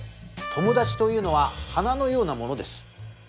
友達というのは花のようなものです。